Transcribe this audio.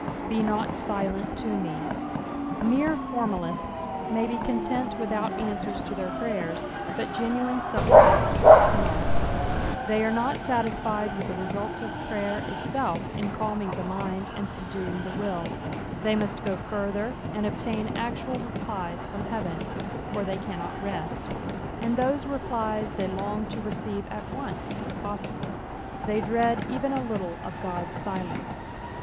'* Be not silent to me." Mere formalists may be con hmt withont answera to their prayers, but genuine suppliants cannot ; they are not satitfled with the results of prayer itself in calming the mind and subduing the will — they muat go further and obtain actual replies from heaven, or th«y cannot rest ; and those replies they long to recrive at once, if possible ; they dread even a little of God's silence.